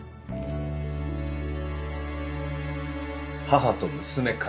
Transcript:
母と娘か。